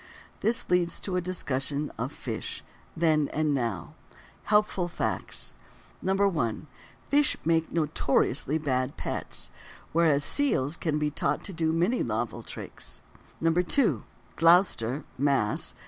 This leads to a discussion of: Fish—Then, and Now. Helpful Facts: 1. Fish make notoriously bad pets, whereas seals can be taught to do many novel tricks. 2. Gloucester (Mass.)